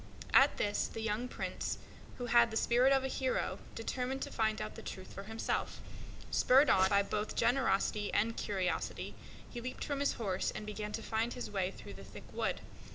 At this the young Prince, who had the spirit of a hero, determined to find out the truth for himself. Spurred on by love and honor, he leaped from his horse and began to force his way through the thick wood.